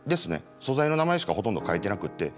素材の名前しかほとんど書いてなくって。